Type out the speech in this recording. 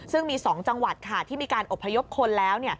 ซึ่งมี๒จังหวัดที่มีการอบพยพคนแล้ว